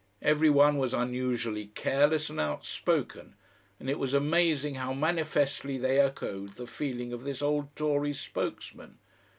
Every one was unusually careless and outspoken, and it was amazing how manifestly they echoed the feeling of this old Tory spokesman.